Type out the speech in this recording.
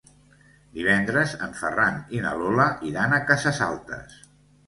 Divendres en Ferran i na Lola iran a Cases Altes.